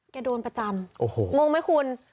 โดนประจำโอ้โหงงไหมคุณ